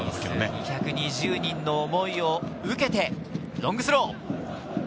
１２０人の思いを受けて、ロングスロー。